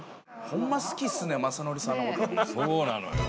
ホンマ好きっすね雅紀さんの事。